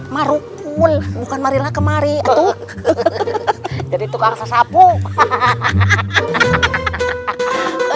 marukul bukan marilla kemari itu jadi tukang sasapu hahaha